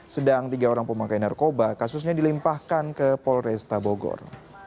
sedang tiga orang pemakai narkoba kasusnya dilimpahkan ke polresta bogor